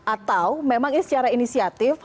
atau memang ini secara inisiatif